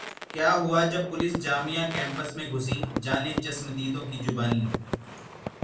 क्या हुआ जब पुलिस जामिया कैंपस में घुसी? जानें चश्मदीदों की जुबानी